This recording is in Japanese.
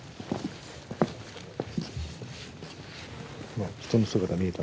今人の姿見えた？